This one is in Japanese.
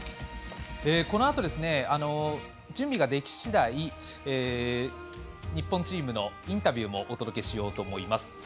このあと、準備ができ次第日本チームのインタビューもお届けしようと思います。